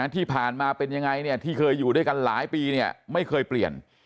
ที่ผ่านมาเป็นยังไงเนี่ยที่เคยอยู่ด้วยกันหลายปีเนี่ยไม่เคยเปลี่ยน